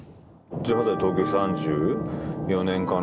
１８歳で東京３４年かな。